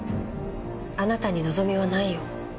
あなたに望みはないよ。